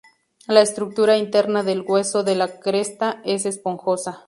La estructura interna del hueso de la cresta es esponjosa.